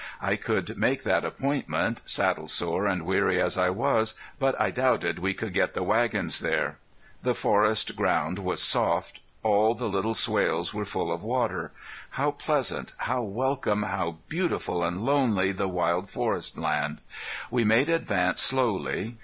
I could make that appointment, saddle sore and weary as I was, but I doubted we could get the wagons there. The forest ground was soft. All the little swales were full of water. How pleasant, how welcome, how beautiful and lonely the wild forestland! We made advance slowly.